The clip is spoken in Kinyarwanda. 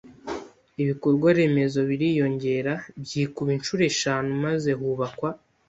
Ibikorwa remezo biriyongera byikuba inshuro eshanu maze hubakwa